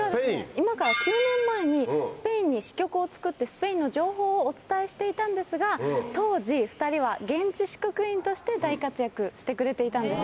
今から９年前にスペインに支局をつくってスペインの情報をお伝えしていたんですが当時２人は現地支局員として大活躍してくれていたんです。